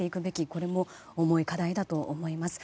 これも重い課題だと思います。